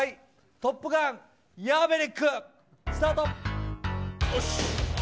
トップガンヤーベリック！スタート。